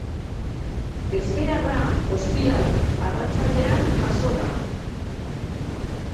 Ezbeharra ostiral arratsaldean jazo da.